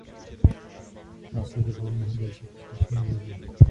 Následovalo mnoho dalších úspěšných vozů.